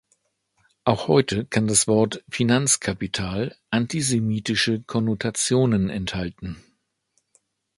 Auch heute kann das Wort "Finanzkapital" antisemitische Konnotationen enthalten.